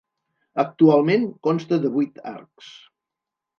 Actualment consta de vuit arcs.